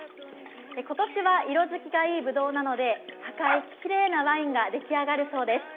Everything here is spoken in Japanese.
今年は色づきがいいぶどうなので、赤いきれいなワインができ上がるそうです。